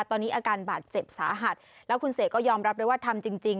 ตอนนี้อาการบาดเจ็บสาหัสแล้วคุณเสกก็ยอมรับด้วยว่าทำจริงจริง